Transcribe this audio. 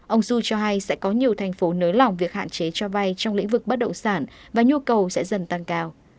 ông du cho hay sẽ có nhiều thành phố nới lỏng việc hạn chế cho vay trong lĩnh vực bất động sản và nhu cầu sẽ dần tăng cao